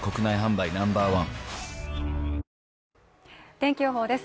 天気予報です。